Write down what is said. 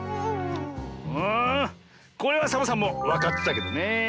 んこれはサボさんもわかってたけどねえ。